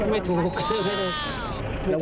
ไม่ถูก